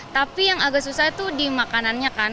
tapi yang agak susah itu di makanannya kan